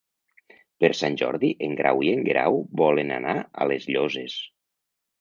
Per Sant Jordi en Grau i en Guerau volen anar a les Llosses.